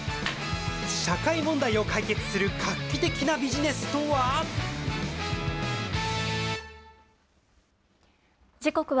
社会問題を解決する画期的なビジネスとは。